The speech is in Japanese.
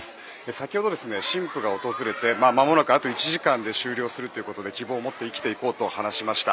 先ほど神父が訪れてまもなくあと１時間で終了するということで希望を持って生きていこうと話していました。